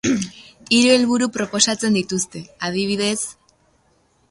Hiru helburu proposatzen dituzte, adibidez.